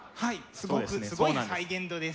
すごくすごい再現度です。